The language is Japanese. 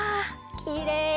きれい！